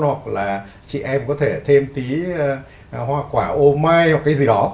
hoặc là chị em có thể thêm tí hoa quả ô mai hoặc cái gì đó